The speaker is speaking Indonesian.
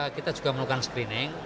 kita juga menurunkan screening